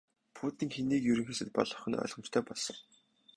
Путин хэнийг Ерөнхий сайд болгох нь ойлгомжтой болсон.